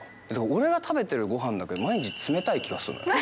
俺が食べてるごはんだけ、毎日冷たい気がするのね。